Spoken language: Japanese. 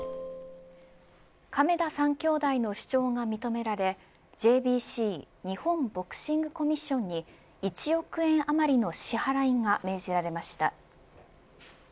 亀田３兄弟の主張が認められＪＢＣ日本ボクシングコミッションに１億円余りの支払いが命じられました。